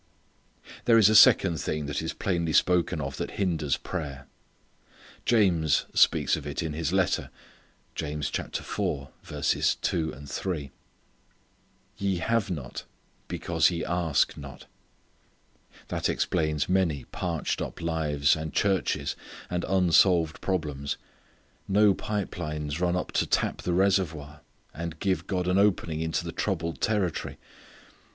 There is a second thing that is plainly spoken of that hinders prayer. James speaks of it in his letter. "Ye have not because ye ask not" that explains many parched up lives and churches and unsolved problems: no pipe lines run up to tap the reservoir, and give God an opening into the troubled territory.